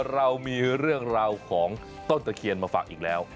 เรามีเรื่องราวของต้นตะเคียนมาฝากอีกแล้ว